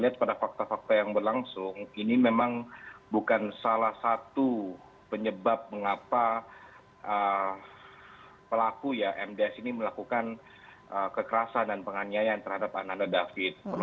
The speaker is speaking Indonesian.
lihat pada fakta fakta yang berlangsung ini memang bukan salah satu penyebab mengapa pelaku ya mds ini melakukan kekerasan dan penganiayaan terhadap ananda david